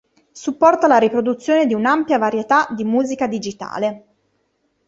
Supporta la riproduzione di un'ampia varietà di musica digitale.